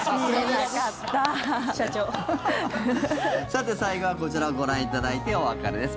さて最後は、こちらをご覧いただいてお別れです。